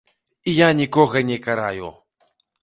Я нікога не караю.